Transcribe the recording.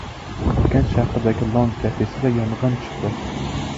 Urganch shahridagi Lounge kafesida yong‘in chiqdi